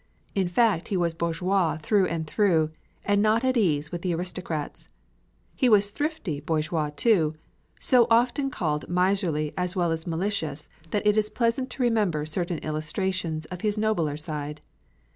In fact, he was bourgeois through and through, and not at ease with the aristocrats. He was thrifty bourgeois too; so often called miserly as well as malicious that it is pleasant to remember certain illustrations of his nobler side.